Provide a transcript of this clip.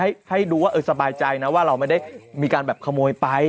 ให้ดูว่าเออสบายใจนะว่าเราไม่ได้มีการแบบขโมยไป